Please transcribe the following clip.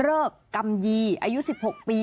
เลิกกำยีอายุ๑๖ปี